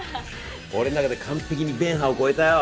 俺の中で完璧に『ベン・ハー』を超えたよ。